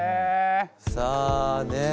さあねえ